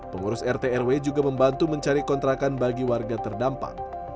pengurus rt rw juga membantu mencari kontrakan bagi warga terdampak